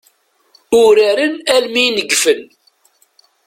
Uraren almi i negfen.